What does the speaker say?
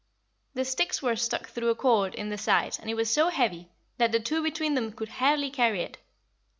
The sticks were stuck through a cord in the side and it was so heavy that the two between them could hardly carry it.